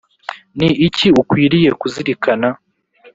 ni iki ukwiriye kuzirikana?